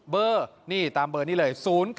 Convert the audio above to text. เบอร์นี่ตามเบอร์นี้เลย๐๘